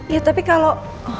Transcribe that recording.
ya tapi kalau